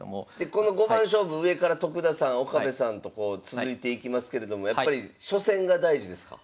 この五番勝負上から徳田さん岡部さんとこう続いていきますけれどもやっぱり初戦が大事ですか？